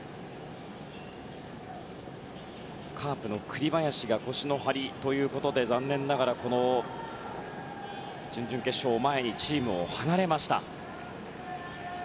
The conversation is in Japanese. カープの栗林が腰の張りということで残念ながらこの準々決勝を前にチームを離れました。